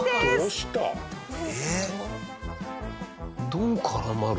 どう絡まる？